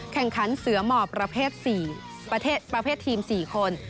แข่งขันเสื้อหมอประเภททีม๔คน